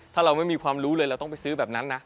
ถ้าเราไม่มีความรู้เลยเราต้องไปซื้อแบบนั้นนะ